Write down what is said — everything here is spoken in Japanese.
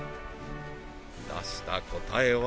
出した答えは？